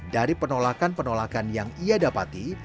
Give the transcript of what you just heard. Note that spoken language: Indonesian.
dari penolakan penolakan yang ia dapati